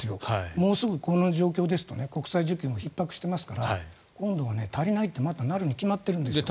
もうすぐ、この状況だと国際需給もひっ迫していますから今度は足りないってまたなるに決まっているんです。